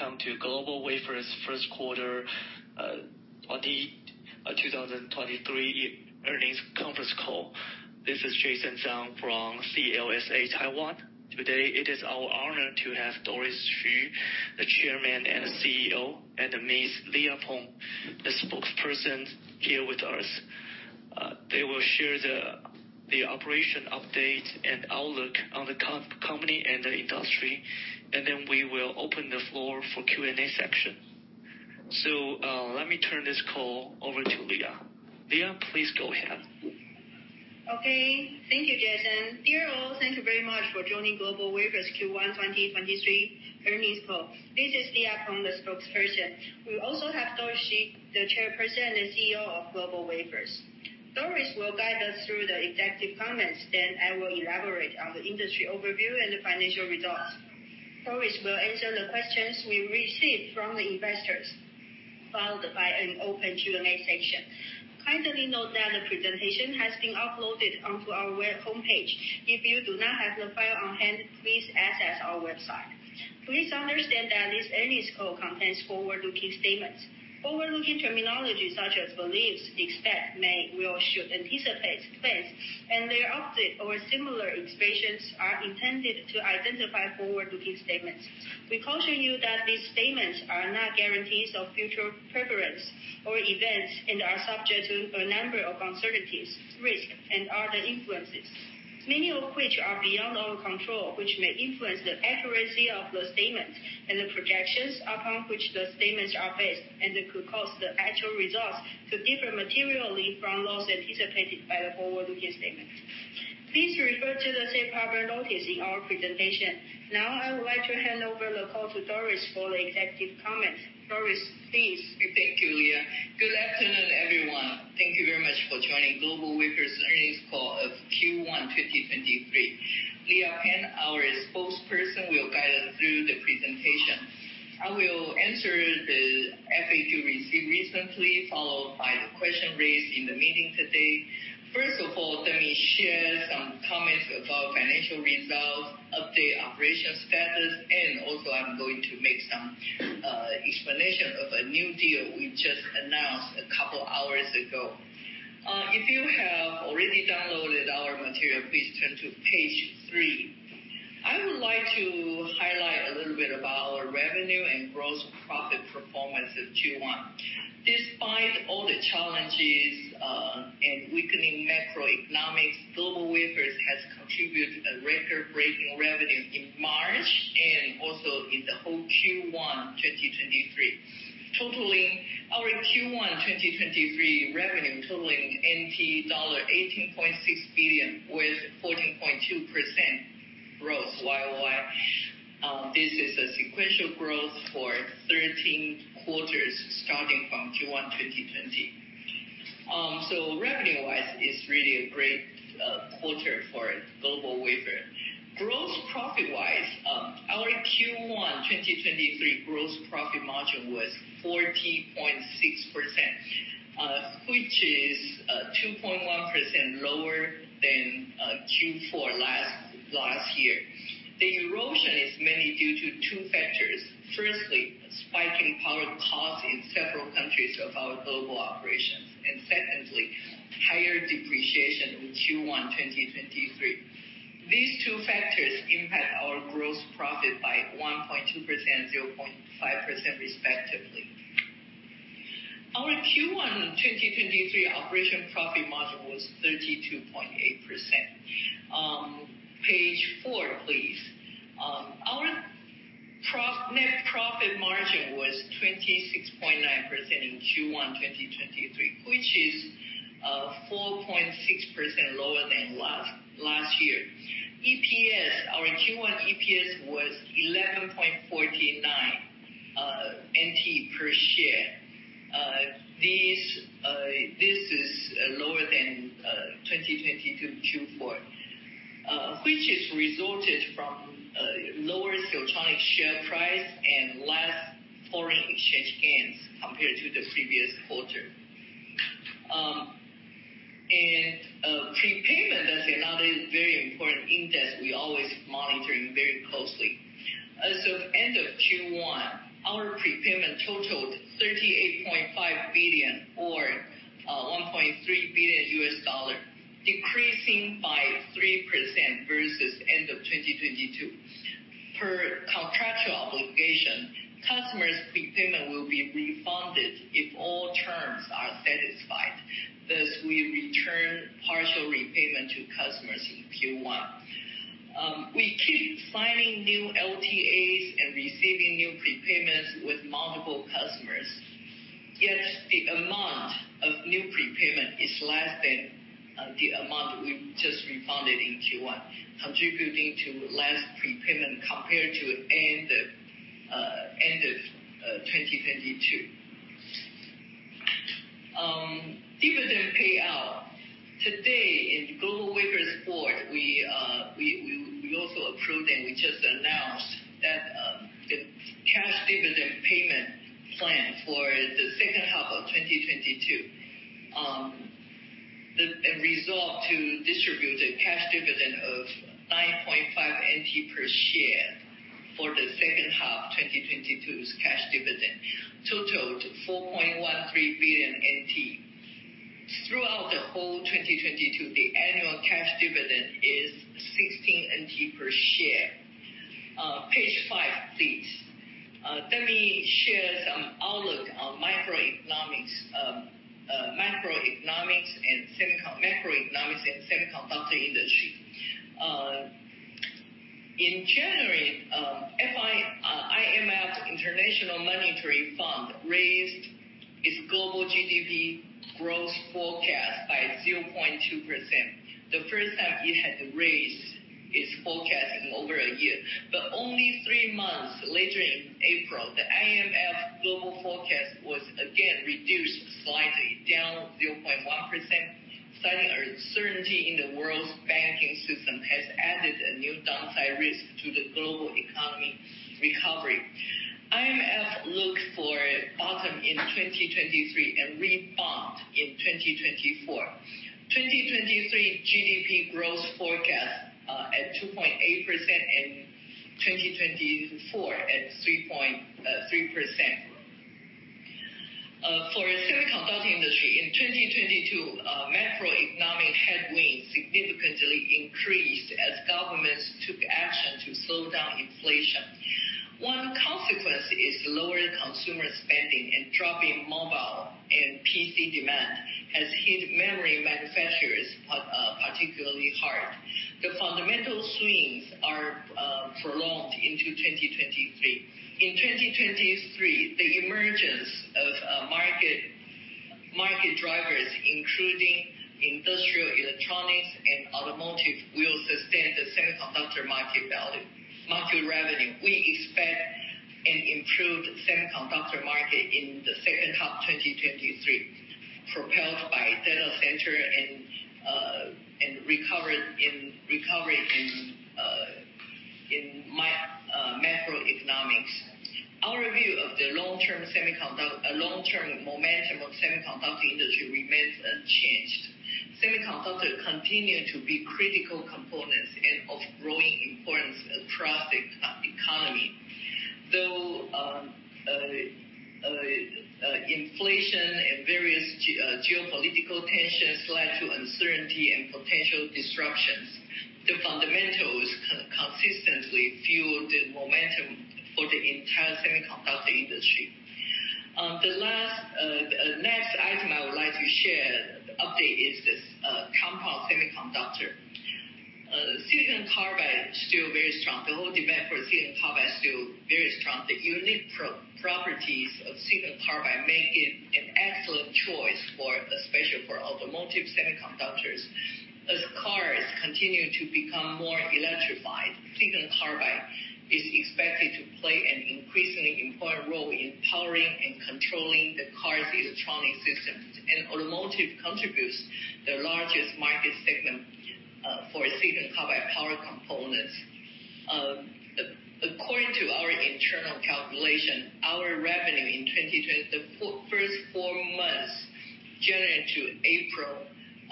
Welcome to GlobalWafers First Quarter 2023 Earnings Conference Call. This is Jason Tsang from CLSA Taiwan. Today, it is our honor to have Doris Hsu, the chairman and CEO, and Ms. Leah Peng, the spokesperson here with us. They will share the operation update and outlook on the company and the industry, and then we will open the floor for Q&A section. Let me turn this call over to Leah. Leah, please go ahead. Okay. Thank you, Jason. Dear all, thank you very much for joining GlobalWafers Q1 2023 earnings call. This is Leah Peng, the spokesperson. We also have Doris Hsu, the chairperson and CEO of GlobalWafers. Doris will guide us through the executive comments. I will elaborate on the industry overview and the financial results. Doris will answer the questions we received from the investors, followed by an open Q&A section. Kindly note that the presentation has been uploaded onto our web homepage. If you do not have the file on hand, please access our website. Please understand that this earnings call contains forward-looking statements. Forward-looking terminology such as believes, expect, may, will, should, anticipate, plans, and their updates or similar expressions are intended to identify forward-looking statements. We caution you that these statements are not guarantees of future performance or events and are subject to a number of uncertainties, risks, and other influences, many of which are beyond our control, which may influence the accuracy of the statements and the projections upon which the statements are based, and could cause the actual results to differ materially from those anticipated by the forward-looking statements. Please refer to the safe harbor notice in our presentation. Now, I would like to hand over the call to Doris for the executive comments. Doris, please. Thank you, Leah. Good afternoon, everyone. Thank you very much for joining GlobalWafers earnings call of Q1 2023. Leah Peng, our spokesperson, will guide us through the presentation. I will answer the FAQ received recently, followed by the question raised in the meeting today. First of all, let me share some comments about financial results, update operations status, and also I'm going to make some explanation of a new deal we just announced a couple hours ago. If you have already downloaded our material, please turn to page three. I would like to highlight a little bit about our revenue and gross profit performance of Q1. Despite all the challenges and weakening macroeconomics, GlobalWafers has contributed a record-breaking revenue in March and also in the whole Q1 2023. Our Q1 2023 revenue totaling NTD 18.6 billion with 14.2% growth year-over-year. This is a sequential growth for 13 quarters starting from Q1 2020. Revenue-wise, it's really a great quarter for GlobalWafers. Gross profit-wise, our Q1 2023 gross profit margin was 14.6%, which is 2.1% lower than Q4 last year. The erosion is mainly due to two factors. Firstly, spiking power costs in several countries of our global operations and secondly, higher depreciation in Q1 2023. These two factors impact our gross profit by 1.2% and 0.5% respectively. Our Q1 2023 operation profit margin was 32.8%. Page four, please. Our net profit margin was 26.9% in Q1 2023, which is 4.6% lower than last year. EPS, our Q1 EPS was TWD 11.49 per share. This is lower than 2022 Q4, which is resulted from lower Siltronic share price and less foreign exchange gains compared to the previous quarter. Prepayment is another very important index we always monitoring very closely. As of end of Q1, our prepayment totaled 38.5 billion or $1.3 billion, decreasing by 3% versus end of 2022. Per contractual obligation, customers' prepayment will be refunded if all terms are satisfied. Thus, we return partial repayment to customers in Q1. We keep signing new LTAs and receiving new prepayments with multiple customers. Yet, the amount of new prepayment is less than the amount we just refunded in Q1, contributing to less prepayment compared to end of 2022. Dividend payout. Today in GlobalWafers board, we also approved and we just announced that the cash dividend payment plan for the second half of 2022. Distributed cash dividend of NT 9.5 per share for the second half 2022's cash dividend totaled NT 4.13 billion. Throughout the whole 2022, the annual cash dividend is NT 16 per share. Page five, please. Let me share some outlook on microeconomics, macroeconomics and semiconductor industry. In January, IMF, International Monetary Fund, raised its global GDP growth forecast by 0.2%, the first time it had raised its forecast in over a year. Only 3 months later in April, the IMF global forecast was again reduced slightly, down 0.1%, citing uncertainty in the world's banking system has added a new downside risk to the global economy recovery. IMF look for a bottom in 2023 and rebound in 2024. 2023 GDP growth forecast at 2.8% and 2024 at 3.3%. For semiconductor industry, in 2022, macroeconomic headwinds significantly increased as governments took action to slow down inflation. One consequence is lower consumer spending and drop in mobile and PC demand has hit memory manufacturers particularly hard. The fundamental swings are prolonged into 2023. In 2023, the emergence of market drivers, including industrial electronics and automotive, will sustain the semiconductor market revenue. We expect an improved semiconductor market in the second half 2023, propelled by data center and recovery in macroeconomics. Our review of the long-term momentum of semiconductor industry remains unchanged. Semiconductors continue to be critical components and of growing importance across economy. Inflation and various geopolitical tensions led to uncertainty and potential disruptions, the fundamentals consistently fuel the momentum for the entire semiconductor industry. The last next item I would like to share, update is this compound semiconductor. Silicon carbide is still very strong. The whole demand for silicon carbide is still very strong. The unique pro-properties of silicon carbide make it an excellent choice for, especially for automotive semiconductors. As cars continue to become more electrified, silicon carbide is expected to play an increasingly important role in powering and controlling the car's electronic systems. Automotive contributes the largest market segment for silicon carbide power components. According to our internal calculation, our revenue in 2020. The first four months, January to April,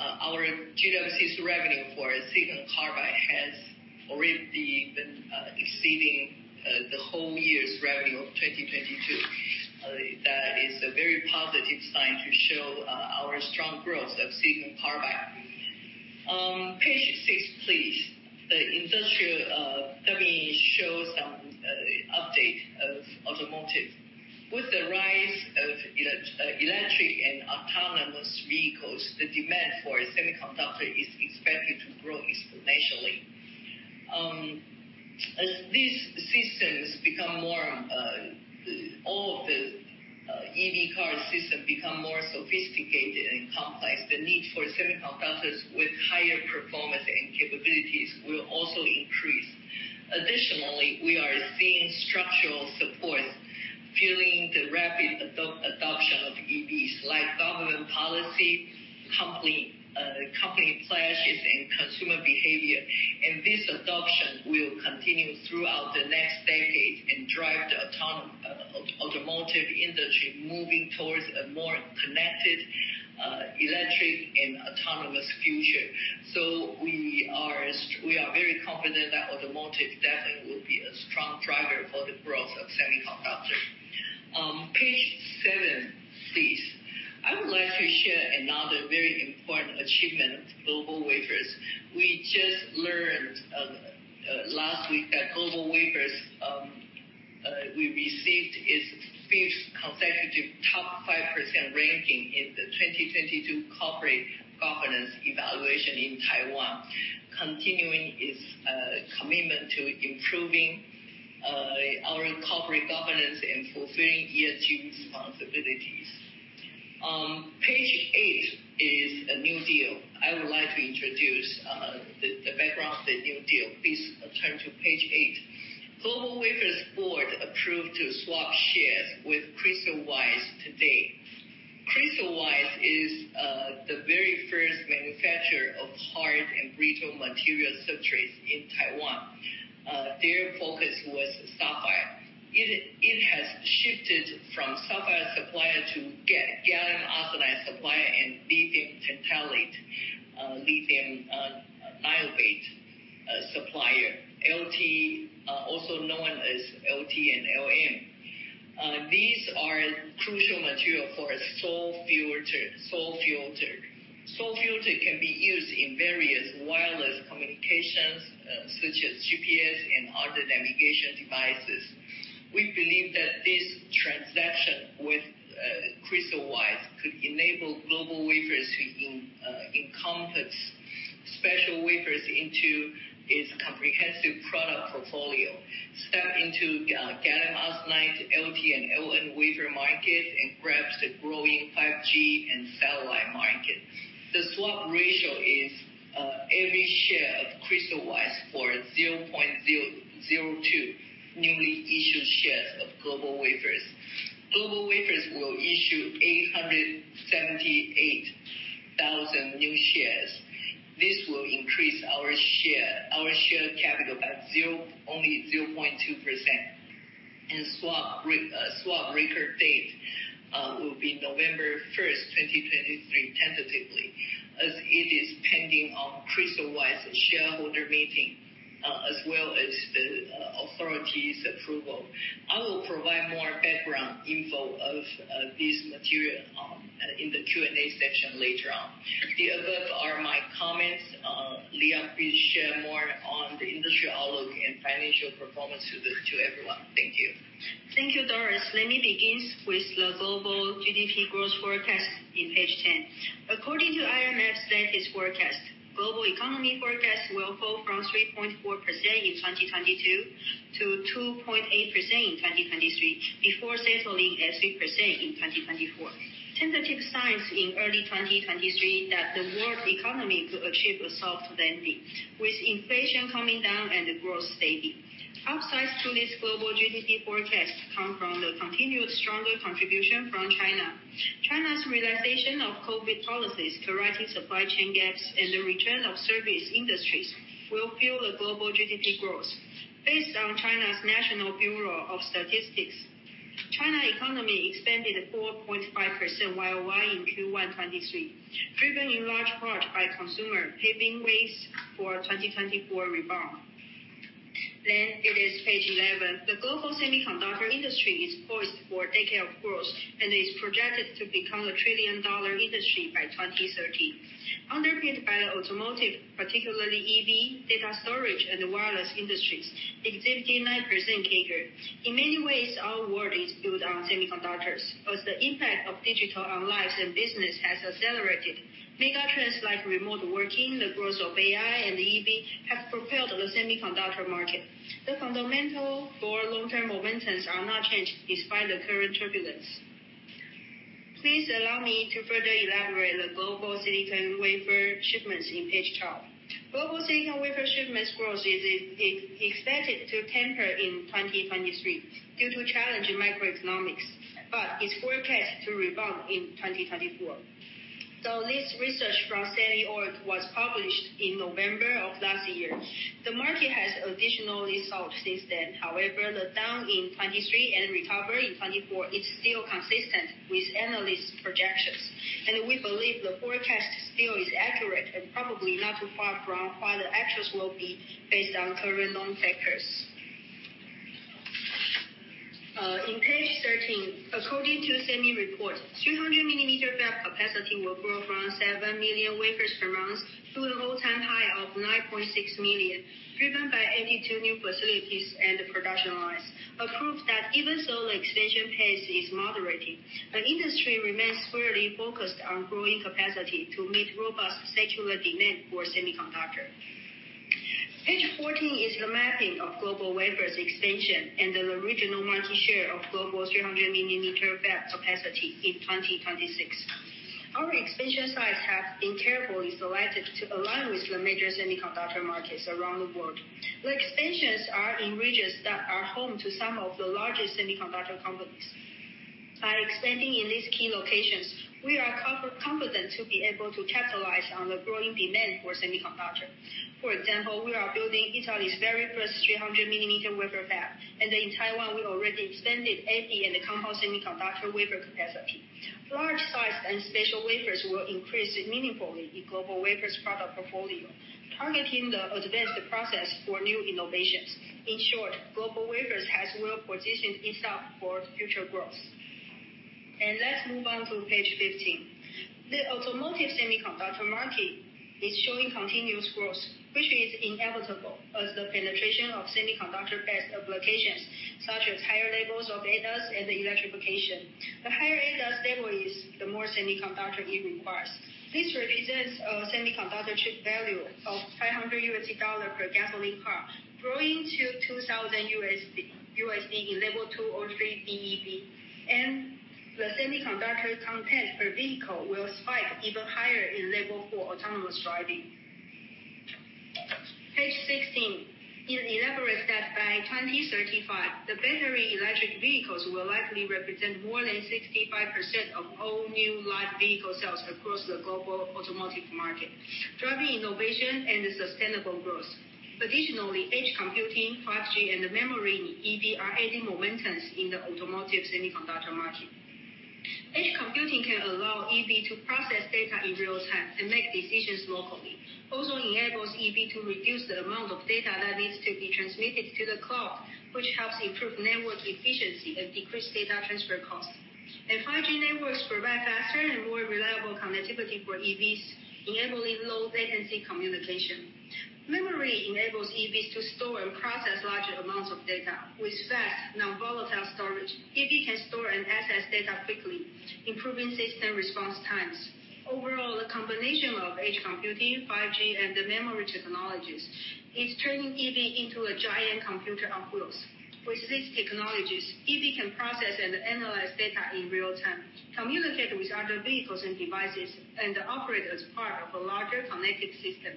our GWC's revenue for silicon carbide has already been exceeding the whole year's revenue of 2022. That is a very positive sign to show our strong growth of silicon carbide. Page six, please. The industrial, let me show some update of automotive. With the rise of electric and autonomous vehicles, the demand for semiconductor is expected to grow exponentially. As these systems become more, all of the EV car systems become more sophisticated and complex, the need for semiconductors with higher performance and capabilities will also increase. Additionally, we are seeing structural supports fueling the rapid adoption of EVs like government policy, company pledges, and consumer behavior. This adoption will continue throughout the next decade and drive the automotive industry moving towards a more connected, electric, and autonomous future. We are very confident that automotive definitely will be a strong driver for the growth of semiconductor. Page seven, please. I would like to share another very important achievement of GlobalWafers. We just learned last week that GlobalWafers received its fifth consecutive top 5% ranking in the 2022 corporate governance evaluation in Taiwan, continuing its commitment to improving our corporate governance and fulfilling ESG responsibilities. Page 8 is a new deal. I would like to introduce the background of the new deal. Please turn to page 8. GlobalWafers' board approved to swap shares with Crystalwise today. Crystalwise is the very first manufacturer of hard and brittle material substrates in Taiwan. Their focus was sapphire. Shifted from sapphire supplier to gallium arsenide supplier and lithium tantalate, lithium niobate supplier. LT, also known as LT and LN. These are crucial material for a SAW filter. SAW filter can be used in various wireless communications, such as GPS and other navigation devices. We believe that this transaction with Crystalwise could enable GlobalWafers to encompass special wafers into its comprehensive product portfolio, step into gallium arsenide, LT, and LN wafer market, and grabs the growing 5G and satellite market. The swap ratio is every share of Crystalwise for 0.002 newly issued shares of GlobalWafers. GlobalWafers will issue 878,000 new shares. This will increase our share capital by only 0.2%. Swap record date will be November 1, 2023, tentatively, as it is pending on Crystalwise shareholder meeting, as well as the authorities approval. I will provide more background info of this material in the Q&A section later on. The above are my comments. Leah please share more on the industry outlook and financial performance to everyone. Thank you. Thank you, Doris. Let me begin with the global GDP growth forecast in page 10. According to IMF's latest forecast, global economy forecast will fall from 3.4% in 2022 to 2.8% in 2023, before settling at 3% in 2024. Tentative signs in early 2023 that the world economy could achieve a soft landing, with inflation coming down and growth steady. Upsides to this global GDP forecast come from the continued stronger contribution from China. China's relaxation of COVID policies corrected supply chain gaps and the return of service industries will fuel the global GDP growth. Based on China's National Bureau of Statistics, China economy expanded 4.5% YoY in Q1 2023, driven in large part by consumer, paving ways for 2024 rebound. It is page 11. The global semiconductor industry is poised for a decade of growth and is projected to become a trillion-dollar industry by 2030, underpinned by the automotive, particularly EV, data storage and the wireless industries, exhibiting 9% CAGR. In many ways, our world is built on semiconductors. As the impact of digital on lives and business has accelerated, mega trends like remote working, the growth of AI and EV have propelled the semiconductor market. The fundamental for long term momentums are not changed despite the current turbulence. Please allow me to further elaborate the global silicon wafer shipments in page 12. Global silicon wafer shipments growth is expected to tamper in 2023 due to challenging microeconomics. It's forecast to rebound in 2024. This research from SEMI was published in November of last year, the market has additionally solved since then. The down in 2023 and recovery in 2024 is still consistent with analysts' projections. We believe the forecast still is accurate and probably not too far from what the actuals will be based on current known factors. In page 13, according to SEMI report, 300mm fab capacity will grow from 7 million wafers per month to an all-time high of 9.6 million, driven by 82 new facilities and production lines. Proof that even though the expansion pace is moderating, the industry remains squarely focused on growing capacity to meet robust secular demand for semiconductor. Page 14 is the mapping of GlobalWafers expansion and the regional market share of global 300mm fab capacity in 2026. Our expansion sites have been carefully selected to align with the major semiconductor markets around the world. The expansions are in regions that are home to some of the largest semiconductor companies. By expanding in these key locations, we are confident to be able to capitalize on the growing demand for semiconductor. For example, we are building Italy's very first 300 millimeter wafer fab. In Taiwan, we already expanded EP and the compound semiconductor wafer capacity. Large size and special wafers will increase meaningfully in GlobalWafers product portfolio, targeting the advanced process for new innovations. In short, GlobalWafers has well-positioned itself for future growth. Let's move on to page 15. The automotive semiconductor market is showing continuous growth, which is inevitable as the penetration of semiconductor-based applications such as higher levels of ADAS and electrification. The higher ADAS level is, the more semiconductor it requires. This represents semiconductor chip value of 500 USD dollar per gasoline car, growing to 2,000 USD in level 2 or 3 BEV. The semiconductor content per vehicle will spike even higher in level 4 autonomous driving. Page 16. It elaborates that by 2035, the battery electric vehicles will likely represent more than 65% of all new light vehicle sales across the global automotive market, driving innovation and sustainable growth. Additionally, edge computing, 5G, and memory in EV are adding momentum in the automotive semiconductor market. Edge computing can allow EV to process data in real time and make decisions locally. Enables EV to reduce the amount of data that needs to be transmitted to the cloud, which helps improve network efficiency and decrease data transfer costs. 5G networks provide faster and more reliable connectivity for EVs, enabling low latency communication. Memory enables EVs to store and process large amounts of data. With fast, non-volatile storage, EV can store and access data quickly, improving system response times. Overall, the combination of edge computing, 5G, and the memory technologies is turning EV into a giant computer on wheels. With these technologies, EV can process and analyze data in real time, communicate with other vehicles and devices, and operate as part of a larger connected system.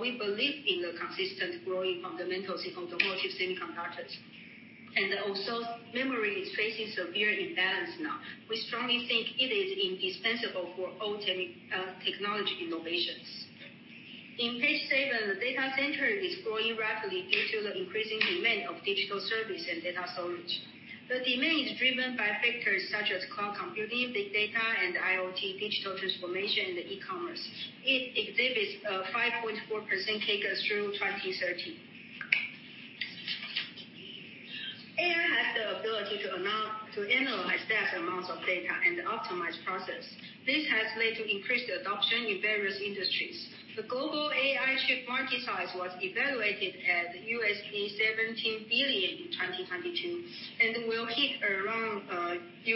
We believe in the consistent growing fundamentals of automotive semiconductors. Memory is facing severe imbalance now. We strongly think it is indispensable for all tech technology innovations. In page seven, the data center is growing rapidly due to the increasing demand of digital service and data storage. The demand is driven by factors such as cloud computing, big data, and IoT digital transformation, and e-commerce. It exhibits a 5.4% CAGR through 2030. AI has the ability to analyze large amounts of data and optimize process. This has led to increased adoption in various industries. The global AI chip market size was evaluated at $17 billion in 2022, and will hit around $227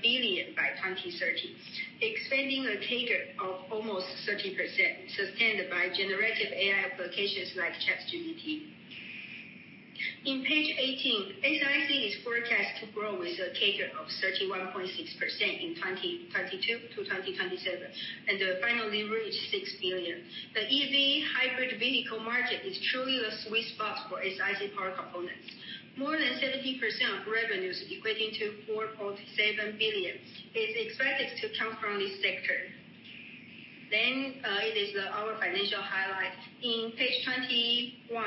billion by 2030, expanding a CAGR of almost 30%, sustained by generative AI applications like ChatGPT. In page 18, SiC is forecast to grow with a CAGR of 31.6% in 2022-2027, and finally reach $6 billion. The EV hybrid vehicle market is truly the sweet spot for SiC power components. More than 70% of revenues, equating to $4.7 billion, is expected to come from this sector. It is our financial highlight. In page 21,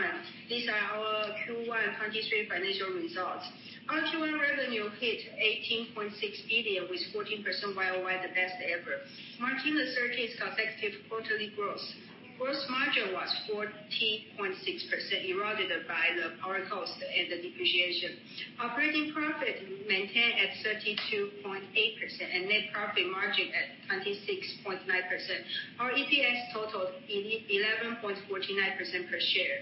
these are our Q1 2023 financial results. Our Q1 revenue hit 18.6 billion, with 14% YoY, the best ever, marking the 13th consecutive quarterly growth. Gross margin was 14.6%, eroded by the power cost and the depreciation. Operating profit maintained at 32.8% and net profit margin at 26.9%. Our EPS totaled 11.49% per share.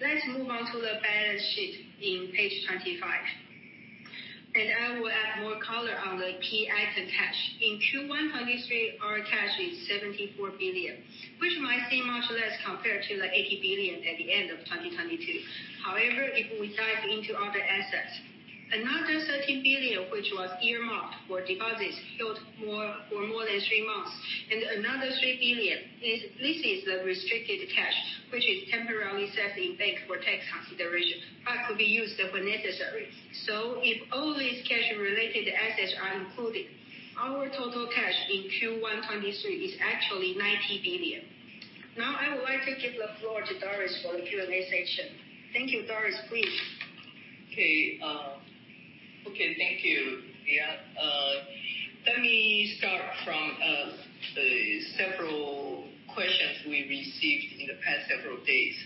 Let's move on to the balance sheet in page 25, I will add more color on the key items attached. In Q1 2023, our cash is 74 billion, which might seem much less compared to the 80 billion at the end of 2022. If we dive into other assets, another 13 billion, which was earmarked for deposits held for more than three months, and another 3 billion, this is the restricted cash, which is temporarily set in bank for tax consideration, but could be used when necessary. If all these cash related assets are included, our total cash in Q1 2023 is actually 90 billion. I would like to give the floor to Doris for the Q&A session. Thank you. Doris, please. Okay. Okay. Thank you, Leah. Let me start from several questions we received in the past several days.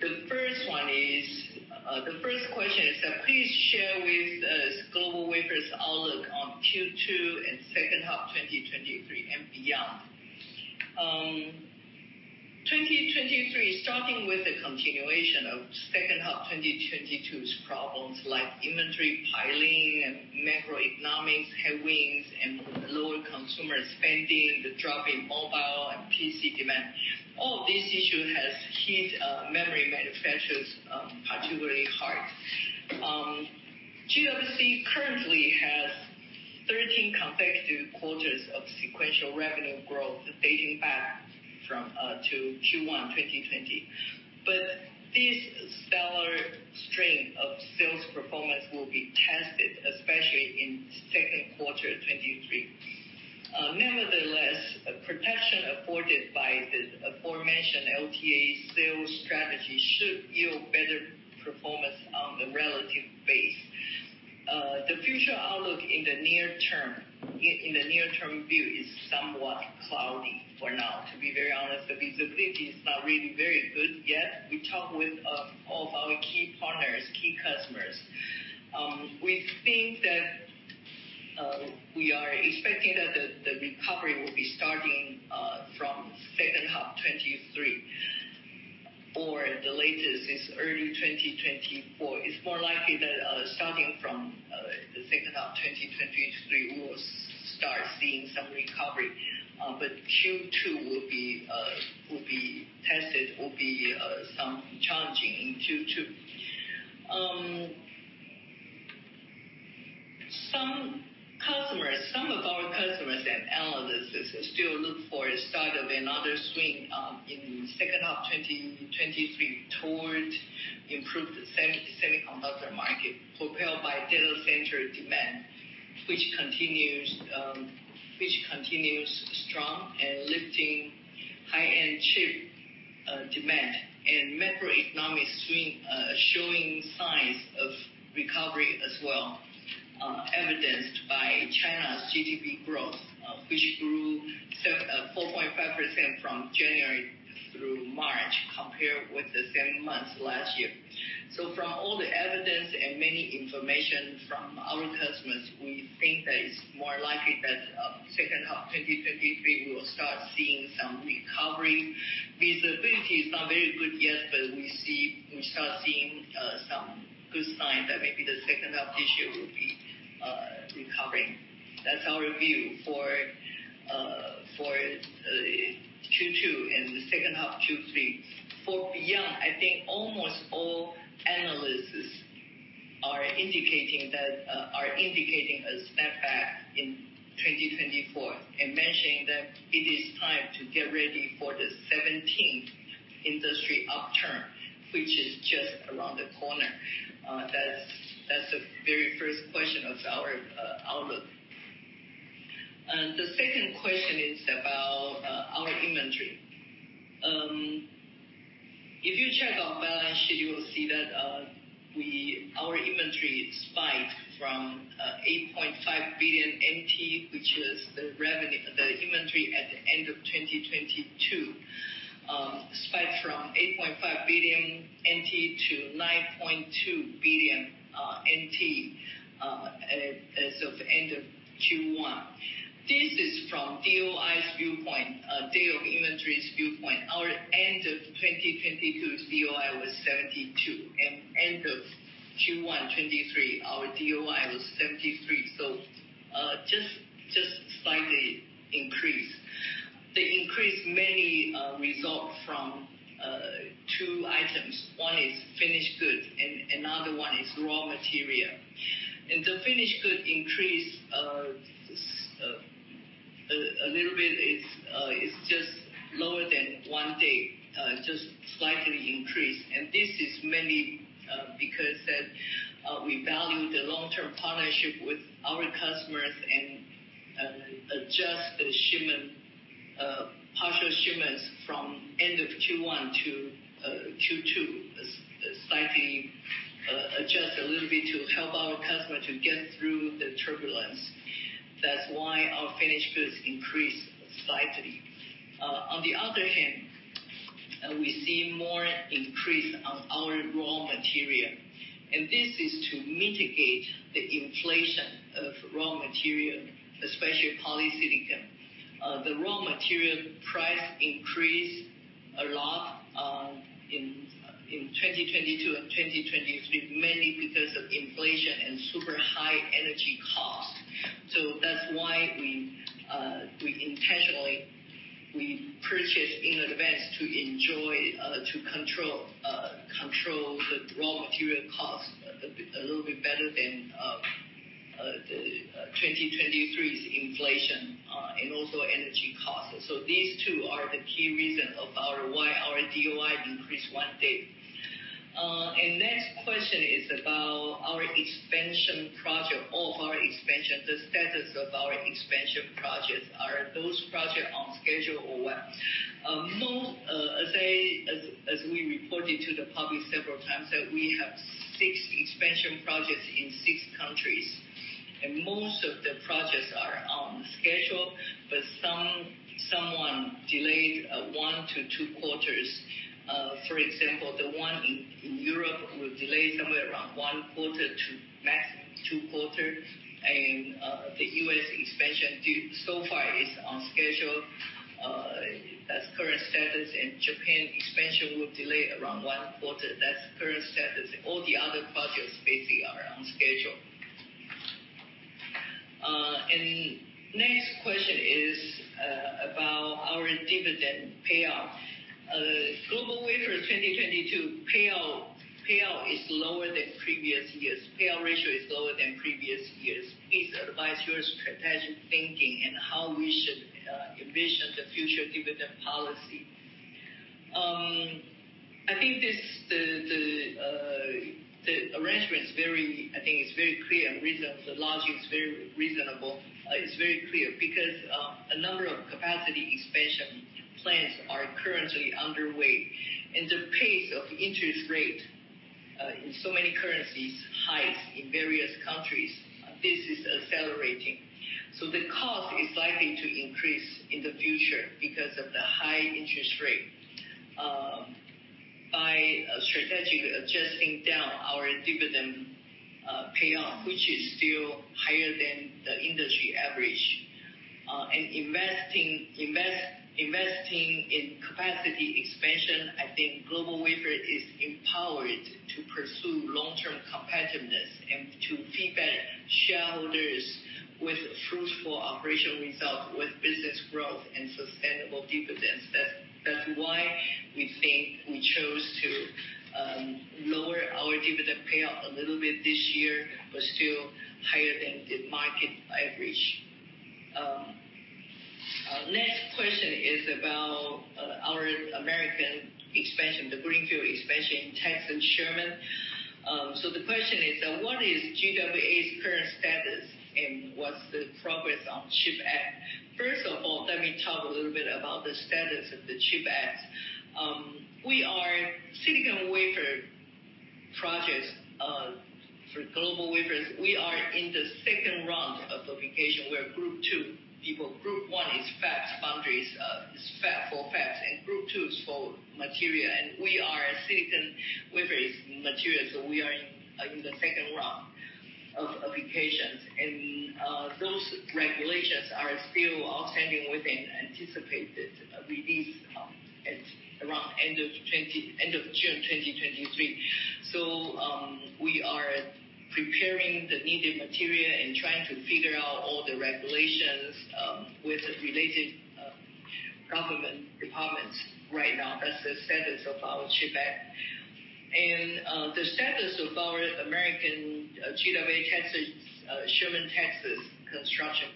The first one is, the first question is that, please share with us GlobalWafers outlook on Q2 and second half 2023 and beyond. 2023, starting with the continuation of second half 2022's problems like inventory piling and macroeconomics headwinds and lower consumer spending, the drop in mobile and PC demand. All of these issue has hit memory manufacturers, particularly hard. GWC currently has 13 consecutive quarters of sequential revenue growth dating back to Q1 2020. This stellar string of sales performance will be tested, especially in second quarter 2023. Nevertheless, protection afforded by the aforementioned LTA sales strategy should yield better performance on the relative base. The future outlook in the near term, in the near term view is somewhat cloudy for now, to be very honest. The visibility is not really very good yet. We talk with all of our key partners, key customers. We think that we are expecting that the recovery will be starting from second half 2023 or the latest is early 2024. It's more likely that starting from the second half 2023, we'll start seeing some recovery. Q2 will be tested, will be some challenging in Q2. Some of our customers and analysts still look for a start of another swing in second half 2023 towards improved semiconductor market, propelled by data center demand. Which continues strong and lifting high-end chip demand. Macroeconomic swing showing signs of recovery as well, evidenced by China's GDP growth, which grew 4.5% from January through March compared with the same months last year. From all the evidence and many information from our customers, we think that it's more likely that second half 2023, we will start seeing some recovery. Visibility is not very good yet, but we start seeing some good signs that maybe the second half this year will be recovering. That's our view for Q2 and the second half, Q3. For beyond, I think almost all analysts are indicating that are indicating a snapback in 2024 and mentioning that it is time to get ready for the 17th industry upturn, which is just around the corner. That's the very first question of our outlook. The second question is about our inventory. If you check our balance sheet, you will see that our inventory spiked from 8.5 billion NT, which is the inventory at the end of 2022, spiked from 8.5 billion NT to 9.2 billion NT as of end of Q1. This is from DOI's viewpoint, day of inventory's viewpoint. Our end of 2022 DOI was 72, and end of Q1 2023, our DOI was 73, so just slightly increased. The increase mainly result from two items. One is finished goods and another one is raw material. The finished good increase a little bit is just lower than one day. It's just slightly increased. This is mainly because that we value the long-term partnership with our customers and adjust the shipment, partial shipments from end of Q1 to Q2, slightly adjust a little bit to help our customer to get through the turbulence. That's why our finished goods increased slightly. On the other hand, we see more increase of our raw material. This is to mitigate the inflation of raw material, especially polysilicon. The raw material price increased a lot in 2022 and 2023, mainly because of inflation and super high energy costs. That's why we intentionally purchased in advance to enjoy, to control the raw material costs a little bit better than the 2023's inflation and also energy costs. These two are the key reasons why our DOI increased 1 day. Next question is about our expansion. The status of our expansion projects. Are those projects on schedule or what? Most, as we reported to the public several times, that we have six expansion projects in six countries, but one delayed one-two quarters. For example, the one in Europe will delay somewhere around 1 quarter to maximum two quarters. The US expansion due so far is on schedule. That's current status. Japan expansion will delay around 1 quarter. That's current status. All the other projects basically are on schedule. Next question is about our dividend payout. GlobalWafers' 2022 payout is lower than previous years. Payout ratio is lower than previous years. Please advise your strategic thinking and how we should envision the future dividend policy. I think this, the arrangement is very clear. The logic is very reasonable. It's very clear because a number of capacity expansion plans are currently underway, and the pace of interest rate in so many currencies highs in various countries, this is accelerating. The cost is likely to increase in the future because of the high interest rate. By strategically adjusting down our dividend payout, which is still higher than the industry average, and investing in capacity expansion, I think GlobalWafers is empowered to pursue long-term competitiveness and to feed better shareholders with fruitful operational results, with business growth and sustainable dividends. That's why we think we chose to lower our dividend payout a little bit this year, but still higher than the market average. Next question is about our American expansion, the greenfield expansion in Texas, Sherman. The question is that, "What is GWA's current status, and what's the progress on CHIPS Act?" First of all, let me talk a little bit about the status of the CHIPS Act. We are silicon wafer projects for GlobalWafers. We are in the second round of application. We're Group two people. Group one is fabs foundries. is for fabs, and group two is for material. We are a silicon wafer is material, so we are in the second round of applications. Those regulations are still outstanding with an anticipated release at around end of June 2023. We are preparing the needed material and trying to figure out all the regulations with the related government departments right now. That's the status of our CHIPS Act. The status of our American GWA Texas, Sherman, Texas, construction.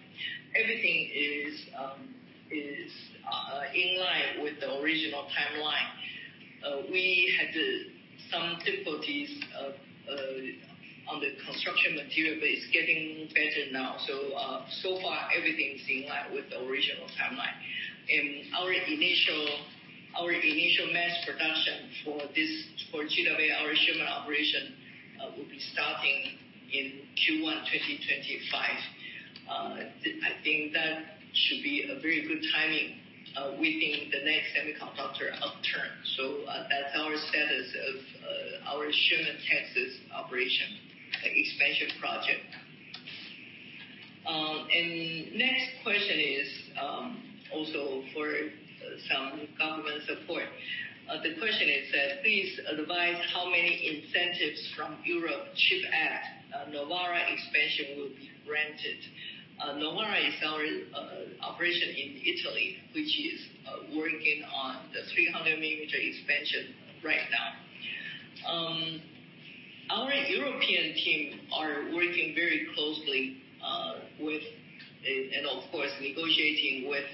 Everything is in line with the original timeline. We had some difficulties on the construction material, but it's getting better now. So far, everything's in line with the original timeline. Our initial mass production for GWA, our Sherman operation, will be starting in Q1 2025. I think that should be a very good timing within the next semiconductor upturn. That's our status of our Sherman, Texas, operation expansion project. Next question is also for some government support. The question is that, "Please advise how many incentives from European Chips Act, Novara expansion will be granted." Novara is our operation in Italy, which is working on the 300mm expansion right now. Our European team are working very closely with and, of course, negotiating with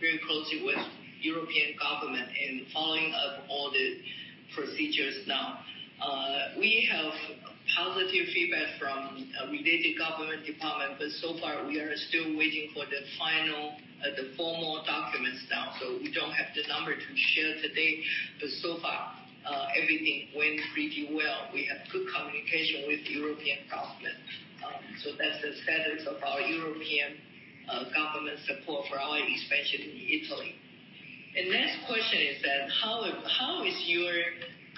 very closely with European government and following up all the procedures now. We have positive feedback from related government department, but so far, we are still waiting for the final, the formal documents now. We don't have the number to share today, but so far, everything went pretty well. We have good communication with European government. That's the status of our European government support for our expansion in Italy. Next question is that, "How is your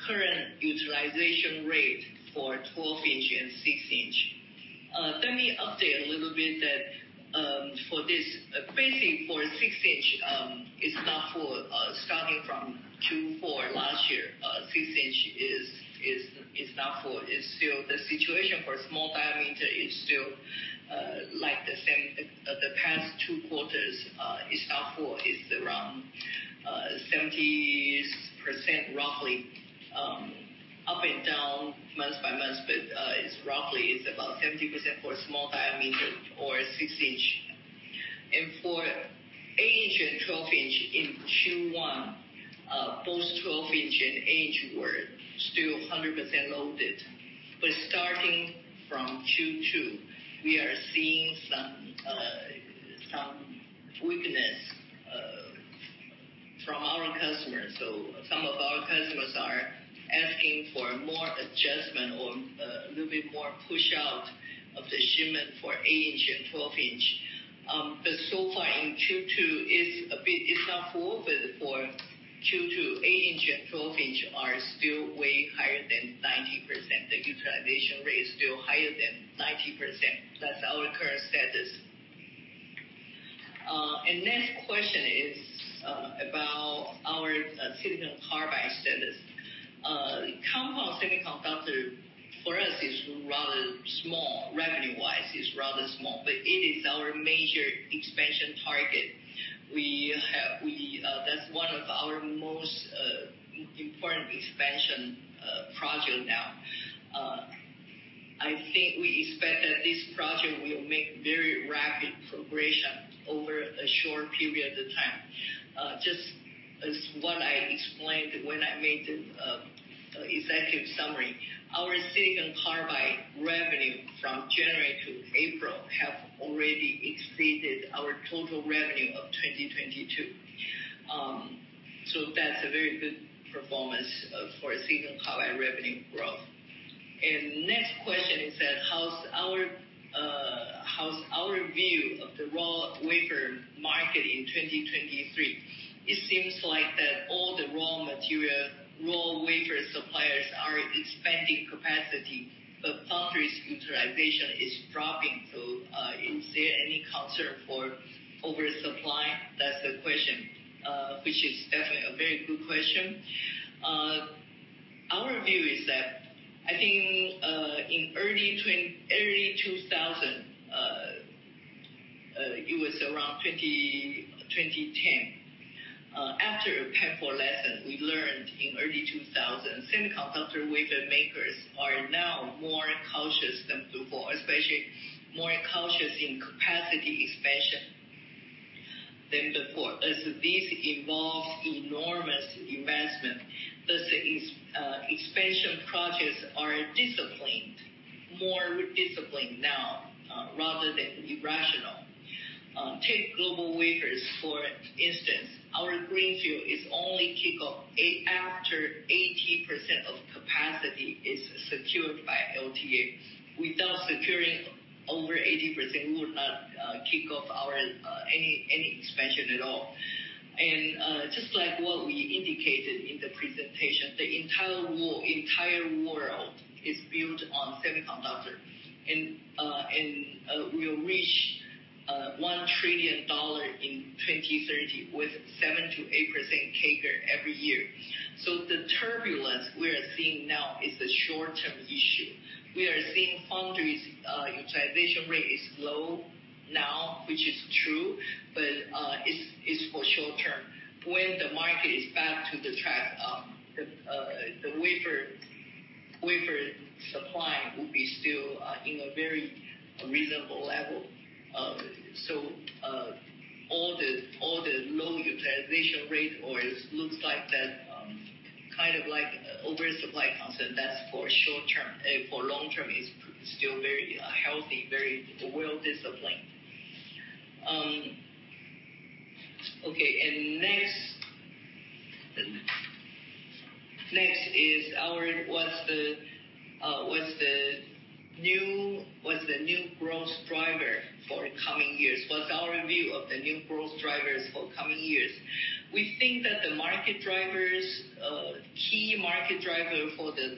current utilization rate for 12 in and 6 in?" Let me update a little bit that, Basically, for 6 in, it's not full. Starting from Q4 last year, 6 in is not full. It's still the situation for small diameter is still, like the same. The past two quarters, it's not full. It's around 70%, roughly, up and down month-by-month. It's roughly, it's about 70% for small diameter or 6 in. For 8 in and 12 in in Q1, both 12 in and 8 in were still 100% loaded. Starting from Q2, we are seeing some weakness from our customers. Some of our customers are asking for more adjustment or a little bit more push out of the shipment for 8 in and 12 in. So far in Q2 it's not full, but for Q2, 8 in and 12 in are still way higher than 90%. The utilization rate is still higher than 90%. That's our current status. Next question is about our silicon carbide status. Compound semiconductor for us is rather small, revenue-wise, it's rather small, but it is our major expansion target. We. That's one of our most important expansion project now. I think we expect that this project will make very rapid progression over a short period of time. Just as what I explained when I made the executive summary, our silicon carbide revenue from January to April have already exceeded our total revenue of 2022. That's a very good performance for silicon carbide revenue growth. Next question is that, "How's our view of the raw wafer market in 2023? It seems like that all the raw material, raw wafer suppliers are expanding capacity, but foundries utilization is dropping. Is there any concern for oversupply?" That's the question. Which is definitely a very good question. Our view is that, I think, in early 2000, it was around 20, 2010. After painful lesson we learned in early 2000, semiconductor wafer makers are now more cautious than before, especially more cautious in capacity expansion than before, as this involves enormous investment. Thus, expansion projects are disciplined, more disciplined now, rather than irrational. Take GlobalWafers, for instance. Our greenfield is only kick off after 80% of capacity is secured by LTA. Without securing over 80%, we would not, kick off our any expansion at all. Just like what we indicated in the presentation, the entire world is built on semiconductor and will reach $1 trillion in 2030 with 7%-8% CAGR every year. The turbulence we are seeing now is a short-term issue. We are seeing foundries, utilization rate is low now, which is true, but it's for short-term. When the market is back to the track, the wafer supply will be still in a very reasonable level. All the low utilization rate always looks like that, kind of like oversupply concept that's for short-term. For long-term, it's still very healthy, very well-disciplined. Okay, next, what's the new growth driver for coming years? What's our view of the new growth drivers for coming years? We think that the market drivers, key market driver for the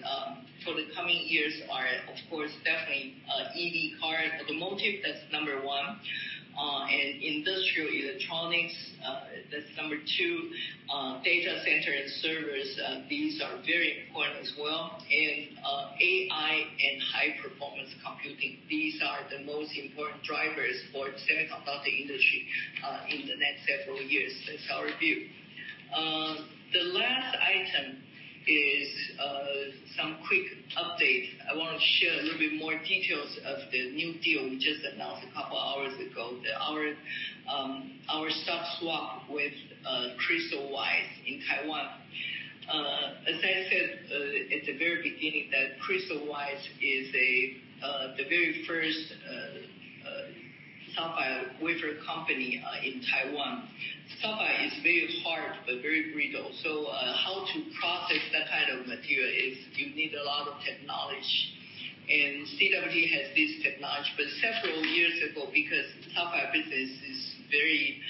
coming years are, of course, definitely, EV cars, automotive, that's number one. Industrial electronics, that's number two. Data center and servers, these are very important as well. AI and high-performance computing. These are the most important drivers for the semiconductor industry in the next several years. That's our view. The last item is some quick update. I want to share a little bit more details of the new deal we just announced a couple hours ago. Our stock swap with Crystalwise in Taiwan. As I said, at the very beginning, that Crystalwise is a the very first sapphire wafer company in Taiwan. Sapphire is very hard but very brittle, so how to process that kind of material is you need a lot of technology. CWT has this technology. Several years ago, because sapphire business is very,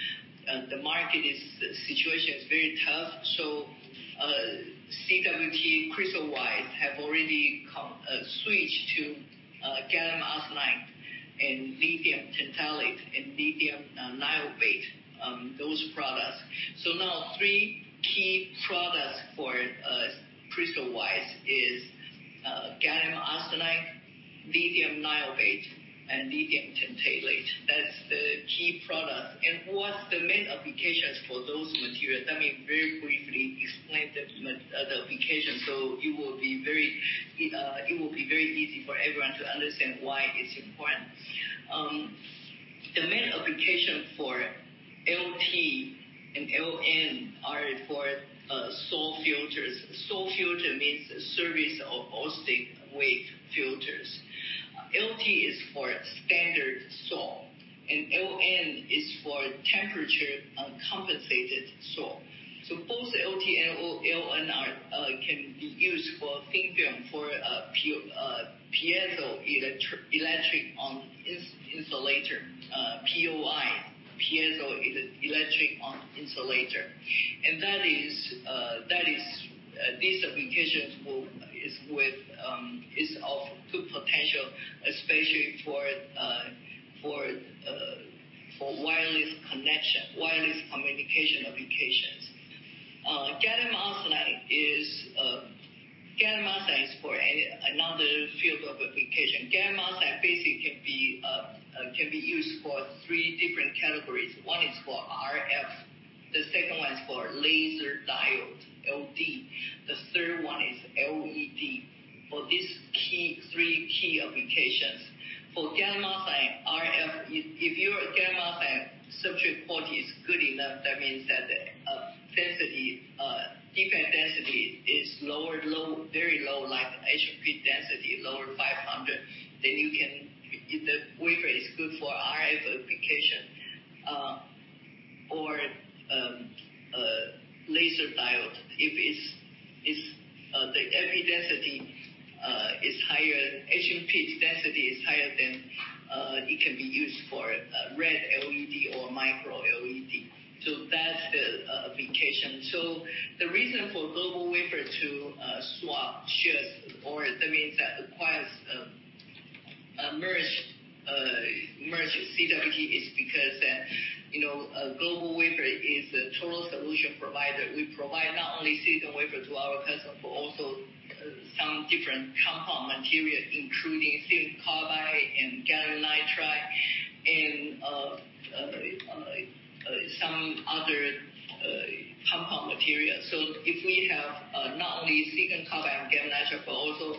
the situation is very tough, CWT, Crystalwise, have already come, switched to gallium arsenide and lithium tantalate and lithium niobate, those products. Now three key products for Crystalwise is gallium arsenide, lithium niobate, and lithium tantalate. That's the key product. What's the main applications for those materials? Let me very briefly explain the application, so it will be very easy for everyone to understand why it's important. The main application for LT and LN are for SAW filters. SAW filter means surface acoustic wave filters. LT is for standard SAW, and LN is for temperature compensated SAW. Both LT and LN are can be used for thin film, for Piezo-On-Insulator, POI, piezoelectric-on-insulator. That is these applications is of good potential, especially for wireless connection, wireless communication applications. Gallium arsenide is for another field of application. Gallium arsenide basically can be used for three different categories. One is for RFs, the second one is for laser diode, LD. The third one is LED. For these three key applications. For gallium arsenide RF, if your gallium arsenide substrate quality is good enough, that means that the density, defect density is very low, like HFP density lower 500, then you can. The wafer is good for RF application or laser diode. If it's the area density is higher, HFP density is higher than it can be used for red LED or micro-LED. That's the application. The reason for GlobalWafers to swap shares or that means that acquires, merge CWT is because that, you know, GlobalWafers is a total solution provider. We provide not only silicon wafer to our customer, but also some different compound materials, including silicon carbide some other compound materials. If we have not only silicon carbide and gallium nitride, but also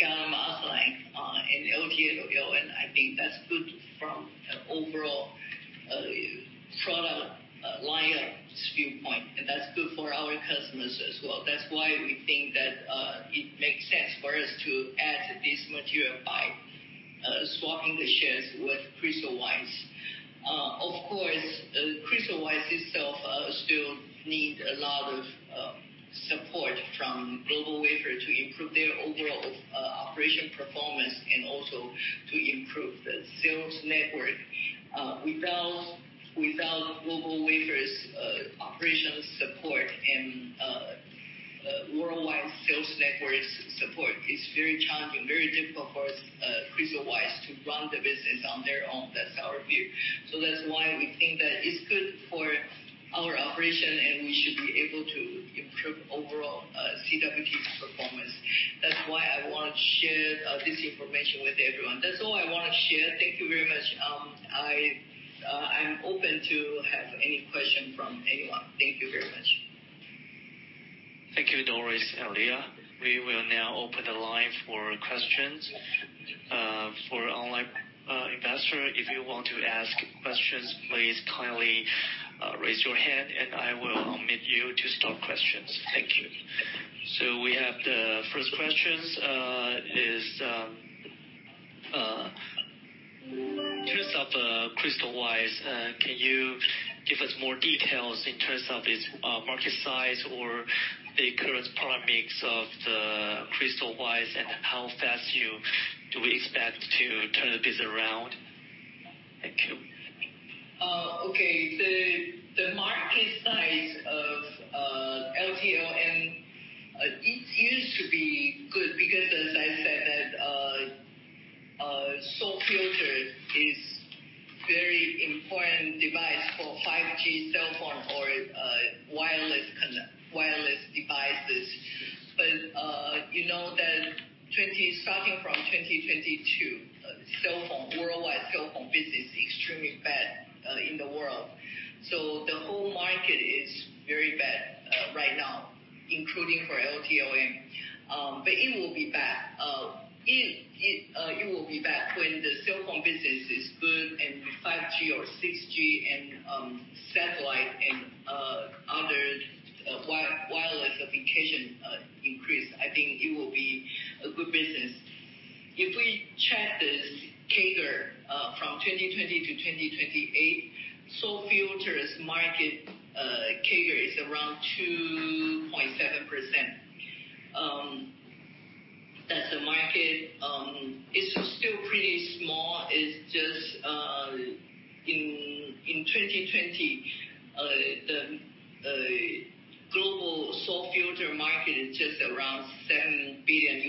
gallium arsenide and LT/LN and I think that's good from an overall product lineup standpoint, and that's good for our customers as well. That's why we think that it makes sense for us to add this material by swapping the shares with Crystalwise. Of course, Crystalwise itself still need a lot of support from GlobalWafers to improve their overall operation performance and also to improve the sales network. Without GlobalWafers' operations support and worldwide sales network support, it's very challenging, very difficult for Crystalwise to run the business on their own. That's our view. That's why we think that it's good for our operation, and we should be able to improve overall CWT's performance. That's why I want to share this information with everyone. That's all I want to share. Thank you very much. I'm open to have any question from anyone. Thank you very much. Thank you, Doris, Elliot. We will now open the line for questions. For online investor, if you want to ask questions, please kindly raise your hand, and I will admit you to start questions. Thank you. We have the first questions in terms of Crystalwise, can you give us more details in terms of its market size or the current product mix of the Crystalwise and how fast do we expect to turn the business around? Thank you. Okay. The market size of LTO and it used to be good because, as I said, that SAW filter is very important device for 5G cell phone or wireless devices. You know that starting from 2022, cell phone, worldwide cell phone business extremely bad in the world. The whole market is very bad right now, including for LTO and it will be back. It will be back when the cell phone business is good and 5G or 6G and satellite and other wireless application increase. I think it will be a good business. If we check the CAGR from 2020 to 2028, SAW filters market CAGR is around 2.7%. That's the market. It's still pretty small. It's just in 2020, the global SAW filter market is just around $7 billion.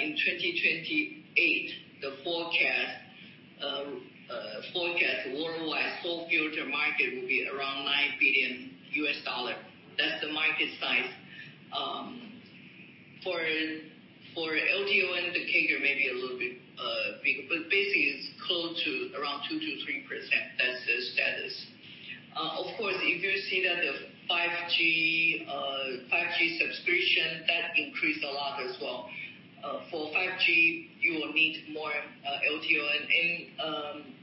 In 2028, the forecast worldwide SAW filter market will be around $9 billion. That's the market size. For LTO and the CAGR may be a little bit bigger, but basically it's close to around 2%-3%. That's the status. Of course, if you see that the 5G subscription, that increased a lot as well. For 5G, you will need more LTO,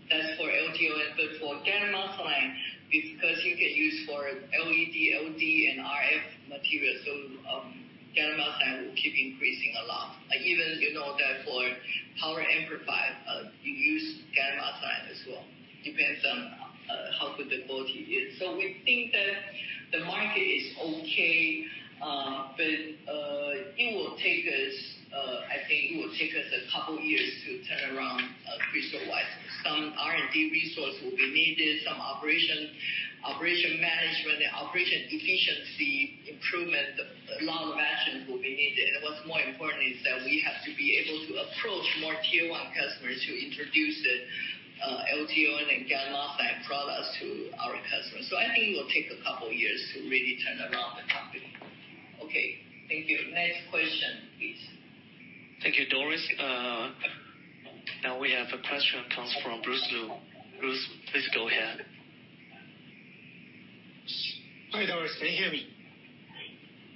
that's for LTO. For gallium arsenide, because you can use for LED, LD and RF materials, gallium arsenide will keep increasing a lot. Like even you know that for power amplifier, you use gallium arsenide as well. Depends on how good the quality is. We think that the market is okay, but it will take us, I think it will take us a couple of years to turn around Crystalwise. Some R&D resource will be needed, some operation management, the operation efficiency improvement. A lot of actions will be needed. What's more important is that we have to be able to approach more tier 1 customers to introduce the LTO and then gallium arsenide products to our customers. I think it will take a couple of years to really turn around the company. Okay. Thank you. Next question, please. Thank you, Doris. Now we have a question comes from Bruce Lu. Bruce, please go ahead. Hi, Doris. Can you hear me?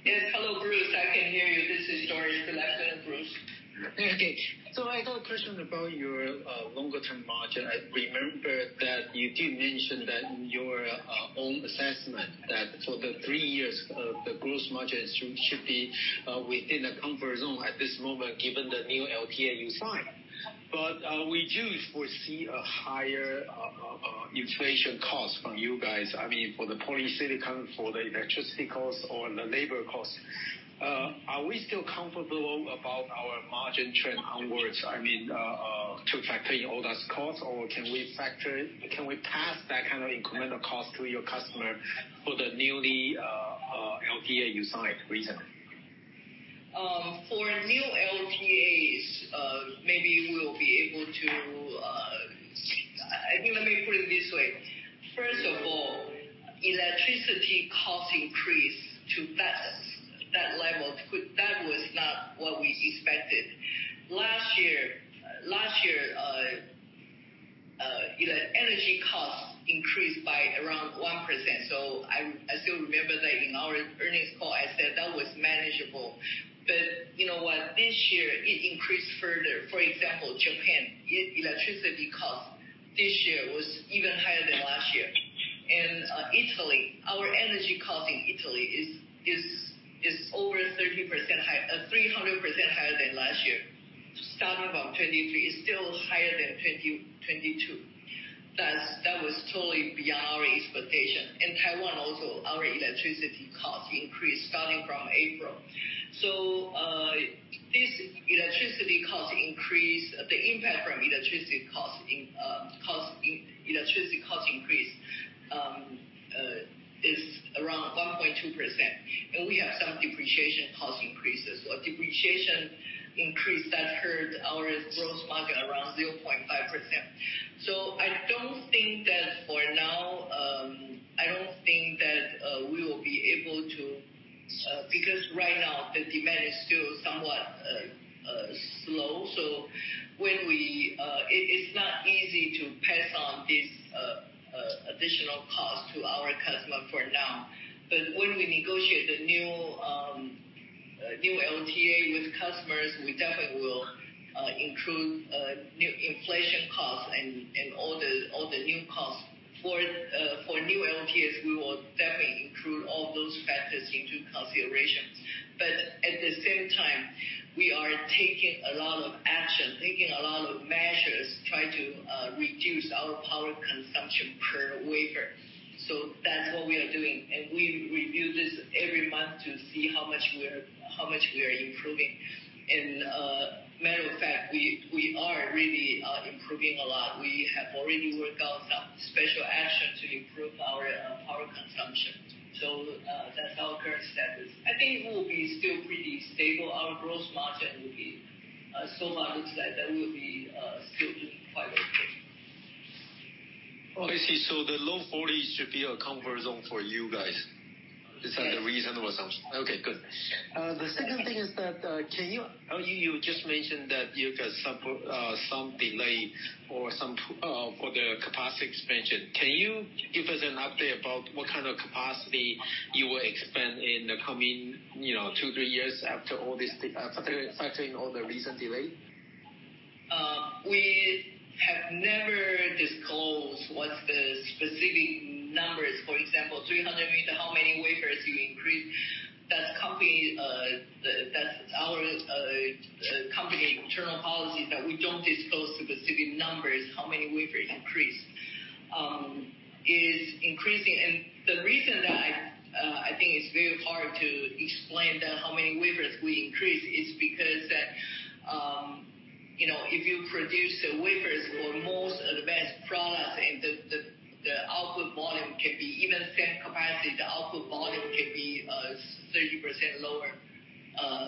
Yes. Hello, Bruce. I can hear you. This is Doris. Go ahead, Bruce. Okay. I got a question about your longer-term margin. I remember that you did mention that in your own assessment that for the three years, the gross margin should be within a comfort zone at this moment given the new LTA you signed. We do foresee a higher inflation cost from you guys. I mean, for the polysilicon, for the electricity cost or the labor cost. Are we still comfortable about our margin trend onwards? I mean, to factor in all those costs or can we pass that kind of incremental cost to your customer for the newly LTA you signed recently? For new LTAs, maybe we'll be able to... I think let me put it this way. First of all, electricity cost increase expected. Last year, you know, energy costs increased by around 1%. I still remember that in our earnings call, I said that was manageable. You know what? This year it increased further. For example, Japan, electricity cost this year was even higher than last year. Italy, our energy cost in Italy is over 30% high, 300% higher than last year. Starting from 2023, it's still higher than 2022. That was totally beyond our expectation. Taiwan also, our electricity costs increased starting from April. This electricity cost increase, the impact from electricity cost in electricity cost increase is around 1.2%. We have some depreciation cost increases. A depreciation increase that hurt our gross margin around 0.5%. I don't think that for now, I don't think that we will be able to, because right now the demand is still somewhat slow. When we, it's not easy to pass on this additional cost to our customer for now. When we negotiate the new LTA with customers, we definitely will include new inflation costs and all the new costs. For new LTAs we will definitely include all those factors into considerations. At the same time, we are taking a lot of action, taking a lot of measures, try to reduce our power consumption per wafer. That's what we are doing, and we review this every month to see how much we are improving. Matter of fact, we are really improving a lot. We have already worked out some special action to improve our power consumption. That's our current status. I think we'll be still pretty stable. Our gross margin will be, so far looks like that will be, still doing quite okay. Okay. See, the low 40s should be a comfort zone for you guys. Yes. Is that the reasonable assumption? Okay, good. The second thing is that, You just mentioned that you've got some delay for some, for the capacity expansion. Can you give us an update about what kind of capacity you will expand in the coming, you know, two, three years after all this, factoring all the recent delay? We have never disclosed what's the specific numbers. For example, 300 meter, how many wafers you increase. That's company, that's our, company internal policy that we don't disclose specific numbers, how many wafers increase. is increasing. The reason that, I think it's very hard to explain that how many wafers we increase is because that, you know, if you produce the wafers for most advanced products and the output volume can be even same capacity, the output volume can be 30% lower.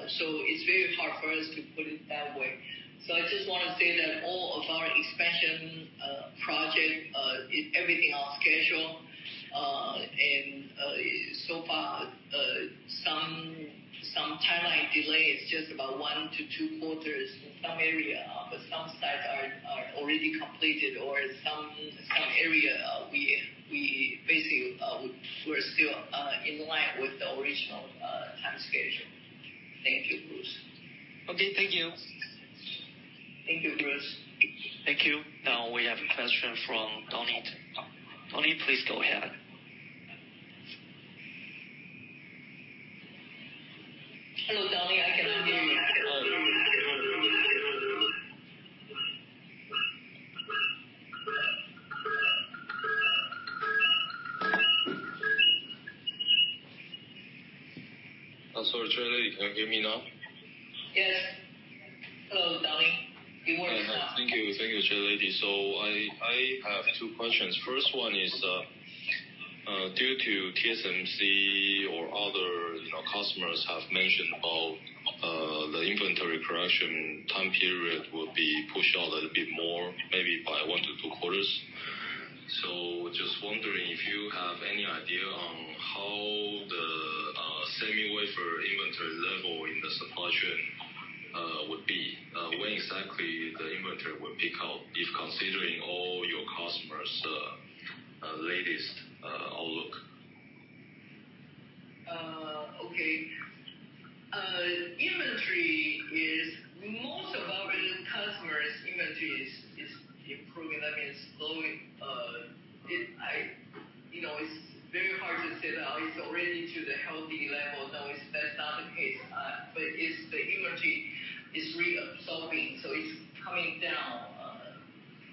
It's very hard for us to put it that way. I just wanna say that all of our expansion project, everything on schedule. So far, timeline delay is just about one-two quarters in some area. Some sites already completed or some area, we basically, we're still in line with the original time schedule. Thank you, Bruce. Okay. Thank you. Thank you, Bruce. Thank you. We have a question from Donnie. Donnie, please go ahead. Hello, Donnie. I cannot hear you. I'm sorry, Chair Lady, can you hear me now? Yes. Hello, Donnie. You are now. Thank you. Thank you, Chair Lady. I have two questions. First one is, due to TSMC or other, you know, customers have mentioned about the inventory correction time period will be pushed out a little bit more, maybe by one-two quarters. Just wondering if you have any idea on how the semi-wafer inventory level in the supply chain would be. When exactly the inventory will pick up if considering all your customers' latest outlook. Okay. inventory most of our customers' inventory is improving. That means slowing. you know, it's very hard to say that it's already to the healthy level. That is, that's not the case. the inventory is reabsorbing, so it's coming down.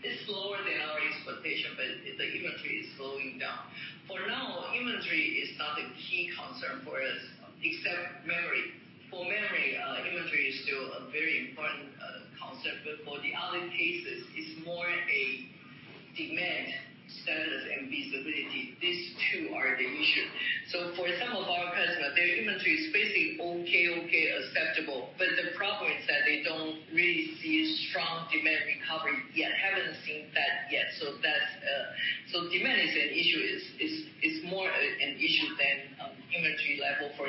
It's slower than our expectation, but the inventory is slowing down. For now, inventory is not a key concern for us, except memory. For memory, inventory is still a very important concept, but for the other cases, it's more a demand status and visibility. These two are the issue. For some of our customer, their inventory is basically okay, acceptable. But the problem is. See a strong demand recovery yet. Haven't seen that yet. That's. Demand is an issue. Is more an issue than inventory level for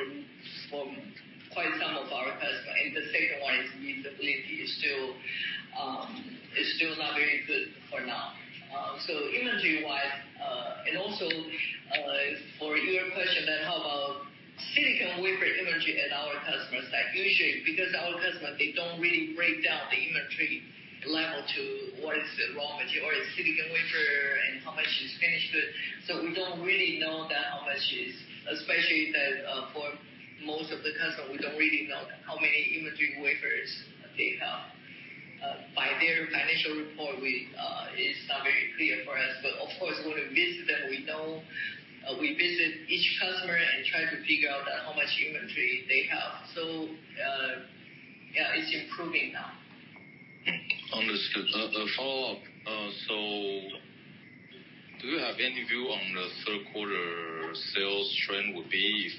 quite some of our customer. The second one is visibility is still not very good for now. Inventory-wise, and also, for your question that how about silicon wafer inventory at our customer side. Usually, because our customer, they don't really break down the inventory level to what is the raw material or a silicon wafer and how much is finished good. We don't really know that how much is. Especially that, for most of the customer, we don't really know how many inventory wafers they have. By their financial report, we, it's not very clear for us. Of course, when we visit them, we know. We visit each customer and try to figure out how much inventory they have. Yeah, it's improving now. Understood. A follow-up. Do you have any view on the third quarter sales trend would be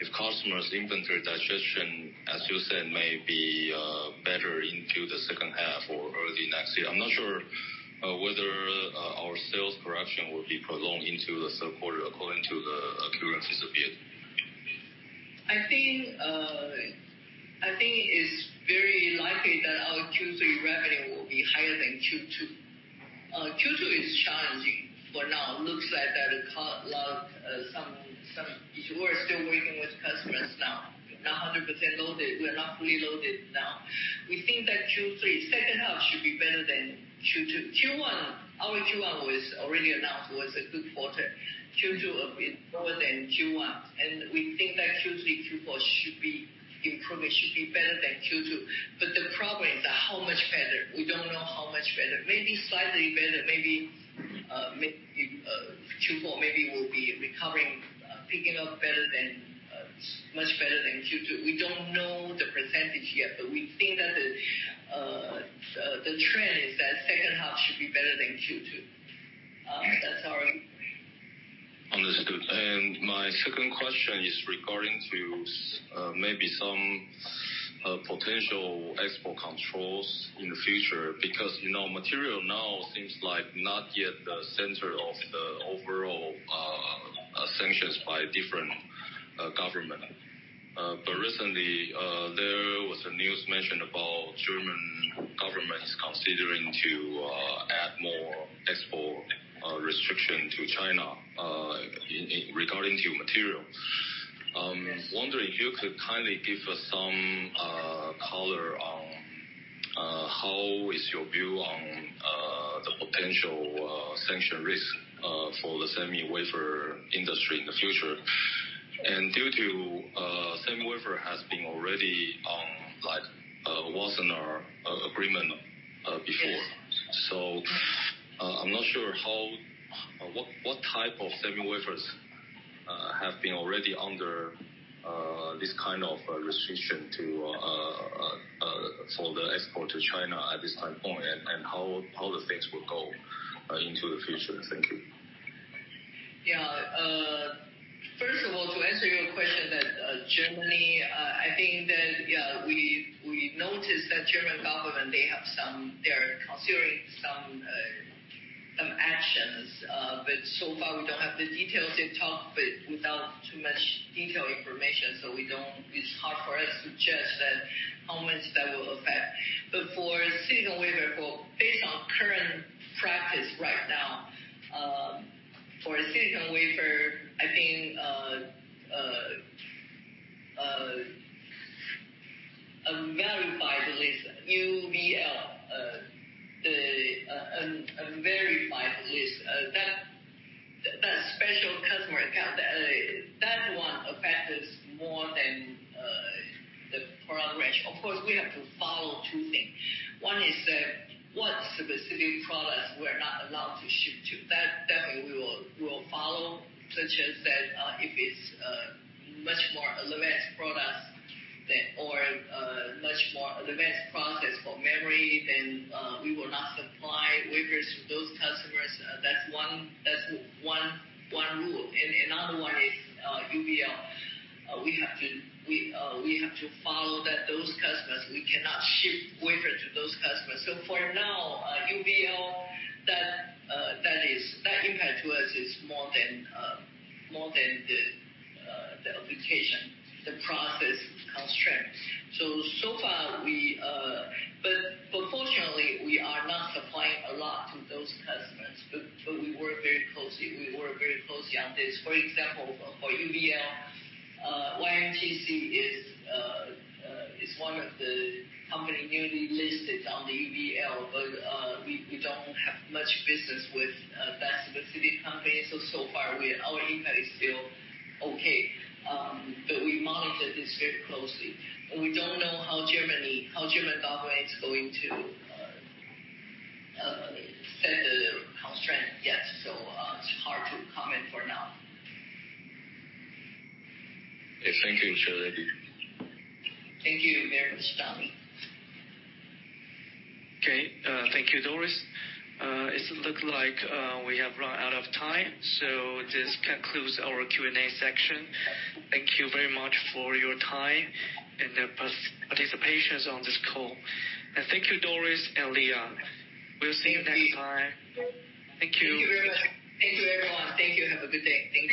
if customers' inventory digestion, as you said, may be better into the second half or early next year? I'm not sure whether our sales correction will be prolonged into the third quarter according to the occurrences of it. I think it's very likely that our Q3 revenue will be higher than Q2. Q2 is challenging for now. We're still working with customers now. We're not 100% loaded. We're not fully loaded now. We think that Q3, second half should be better than Q2. Q1, our Q1 was already announced, was a good quarter. Q2 a bit lower than Q1. We think that Q3, Q4 should be improving, should be better than Q2. The problem is that how much better? We don't know how much better. Maybe slightly better, maybe Q4 will be recovering, picking up better than much better than Q2. We don't know the percentage yet. We think that the trend is that second half should be better than Q2. That's our... Understood. My second question is regarding to maybe some potential export controls in the future. You know, material now seems like not yet the center of the overall sanctions by different government. Recently, there was a news mentioned about German government is considering to add more export restriction to China regarding to materials. Wondering if you could kindly give us some color on how is your view on the potential sanction risk for the semi-wafer industry in the future. Due to semi-wafer has been already on like Wassenaar Agreement before. I'm not sure how... What type of semi-wafers have been already under this kind of restriction to for the export to China at this time point, and how the things will go into the future? Thank you. First of all, to answer your question that Germany, I think that we've noticed that German government, they're considering some actions. So far, we don't have the details. They talk, but without too much detailed information, so we don't. It's hard for us to judge that how much that will affect. For silicon wafer. Based on current practice right now, for silicon wafer, I think a verified list, UVL, the unverified list, that special customer account, that one affects us more than the product range. Of course, we have to follow two things. One is the what specific products we're not allowed to ship to. That definitely we will follow, such as that, if it's much more advanced products than or much more advanced process for memory, then we will not supply wafers to those customers. That's one rule. Another one is UVL. We have to follow that those customers, we cannot ship wafer to those customers. For now, UVL, that impact to us is more than more than the application, the process constraint. So far we. Fortunately, we are not supplying a lot to those customers. We work very closely on this. For example, for UVL, YMTC is one of the company newly listed on the UVL, but we don't have much business with that specific company. So far our impact is still okay. We monitor this very closely. We don't know how German government is going to set the constraint yet, so it's hard to comment for now. Thank you. Sure. Thank you very much, Donnie. Okay. Thank you, Doris. It's look like we have run out of time. This concludes our Q&A section. Thank you very much for your time and the participation on this call. Thank you, Doris and Leon. We'll see you next time. Thank you. Thank you very much. Thank you, everyone. Thank you. Have a good day. Thank you.